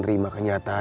itukah gua canma